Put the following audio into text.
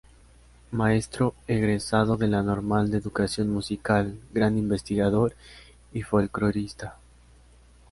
Maestro egresado de la Normal de Educación Musical, gran investigador y folclorista.